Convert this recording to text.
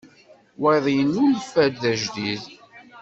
Wayeḍ yennulfa-d d ajdid.